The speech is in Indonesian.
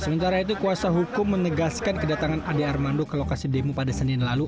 sementara itu kuasa hukum menegaskan kedatangan ade armando ke lokasi demo pada senin lalu